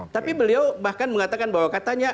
tapi beliau bahkan mengatakan bahwa katanya